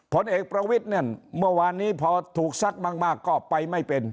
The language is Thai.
ผลเอกประวิทย์เนี่ยเมื่อวานนี้พอถูกซัดมากก็ไปไม่เป็น